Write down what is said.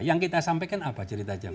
yang kita sampaikan apa cerita jelas